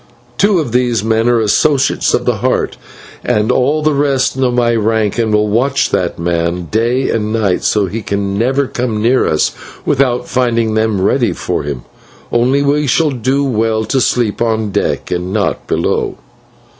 Two of these men are associates of the Heart, and all the rest know my rank, and will watch that man day and night so that he can never come near us without finding them ready for him. Only we shall do well to sleep on deck and not below."